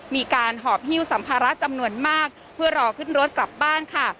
หอบฮิ้วสัมภาระจำนวนมากเพื่อรอขึ้นรถกลับบ้านค่ะ